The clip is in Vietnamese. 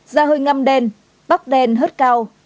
da hơi ngăm đen bắp đen hớt cao